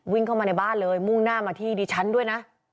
วิ่งเข้ามาในบ้านเลยมุ่งหน้ามาที่ดิฉันด้วยนะ